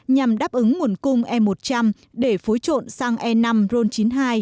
nhằm đáp ứng nguồn cung e một trăm linh để phối trộn sang e năm ron chín mươi hai